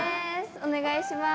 お願いします。